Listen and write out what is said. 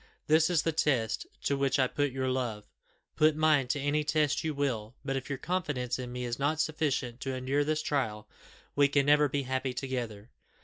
This is the test to which I put your love put mine to any test you will, but if your confidence in me is not sufficient to endure this trial, we can never be happy together."